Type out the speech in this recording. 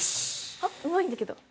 うまいんだけど。